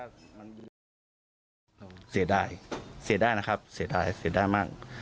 เสียดายเสียดายนะครับเสียดายเสียดายมาก